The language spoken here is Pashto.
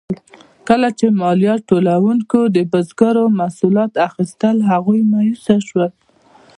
کله چې مالیات ټولونکو د بزګرو محصولات اخیستل، هغوی مایوسه شول.